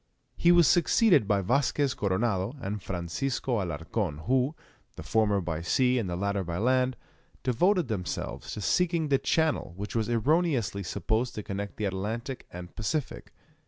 He was succeeded by Vasquez Coronado and Francisco Alarcon, who the former by sea, and the latter by land devoted themselves to seeking the channel which was erroneously supposed to connect the Atlantic and Pacific.